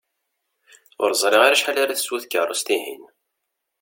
Ur ẓriɣ ara acḥal ara teswu tkerrust-ihin.